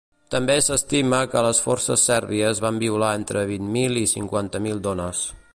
També s’estima que les forces sèrbies van violar entre vint mil i cinquanta mil dones.